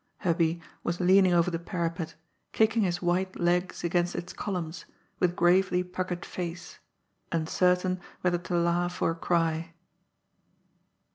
Hubby was leaning over the parapet, kicking his white legs against its columns, with gravely puckered face, uncer tain whether to laugh oi cry.